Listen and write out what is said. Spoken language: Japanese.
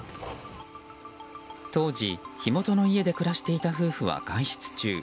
当時、火元の家で暮らしていた夫婦は外出中。